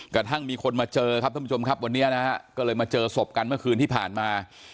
กระทั่งมีคนมาเจอครับท่านผู้ชมครับวันนี้นะฮะก็เลยมาเจอศพกันเมื่อคืนที่ผ่านมา